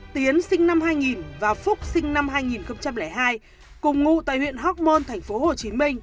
tiến sinh năm hai nghìn và phúc sinh năm hai nghìn hai cùng ngụ tại huyện hóc môn tp hcm